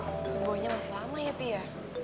aduh boynya masih lama ya pi ya